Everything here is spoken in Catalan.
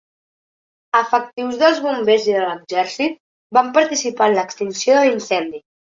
Efectius dels bombers i de l'exèrcit van participar en l'extinció de l'incendi.